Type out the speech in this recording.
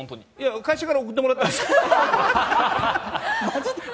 会社から送ってもらったの。